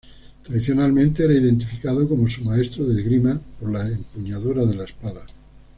Tradicionalmente era identificado como su maestro de esgrima, por la empuñadura de la espada.